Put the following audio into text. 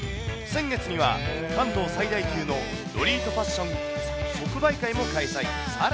先月には、関東最大級のロリータファッション即売会も開催。